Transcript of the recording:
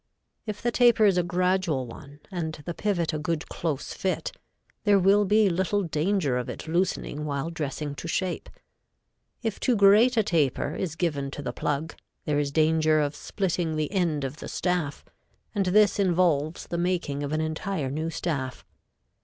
If the taper is a gradual one and the pivot a good close fit, there will be little danger of it loosening while dressing to shape. If too great a taper is given to the plug, there is danger of splitting the end of the staff, and this involves the making of an entire new staff.